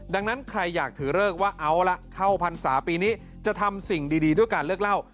ดังนั้นใครอยากถือเลิกว่าเอาละเข้าพรรษาปีนี้จะทำสิ่งดีด้วยการเลิกเล่า